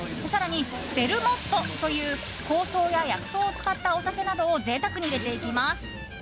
更にベルモットという香草や薬草を使ったお酒などを贅沢に入れていきます。